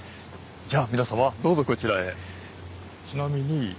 じゃあ皆様どうぞこちらへ。